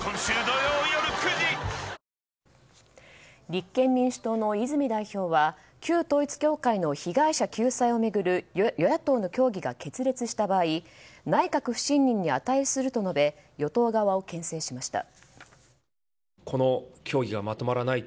立憲民主党の泉代表は旧統一教会の被害者救済を巡る与野党の協議が決裂した場合内閣不信任に値すると述べ与党側を牽制しました。